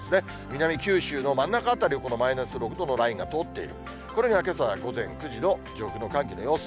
南、九州の真ん中辺りをマイナス６度のラインが通っている、これがけさ午前９時の上空の寒気の様子。